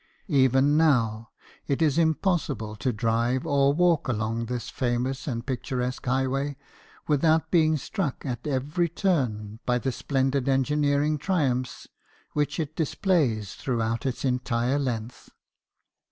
Even now it is impossible to drive or walk along this famous and pic turesque highway without being struck at every turn by the splendid engineering triumphs which it displays throughout its entire length.